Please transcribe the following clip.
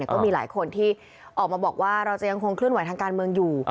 ก็มีหลายคนที่ออกมาบอกว่าเราจะยังคงเคลื่อนไหวทางการเมืองอยู่